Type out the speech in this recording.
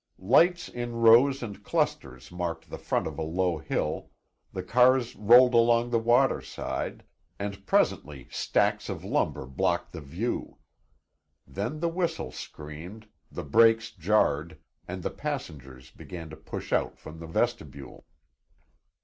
Lights in rows and clusters marked the front of a low hill, the cars rolled along the waterside, and presently stacks of lumber blocked the view. Then the whistle screamed, the brakes jarred, and the passengers began to push out from the vestibule.